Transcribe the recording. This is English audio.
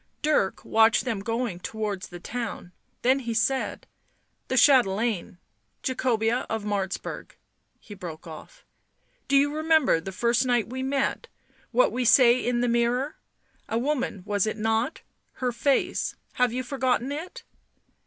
Dirk watched them going towards the town, then he said: " The chatelaine ... Jacobea of Martz burg " he broke off. " Do you remember, the first night we met, what we say in the mirror ? A woman, was it not ? Her face — have you forgotten it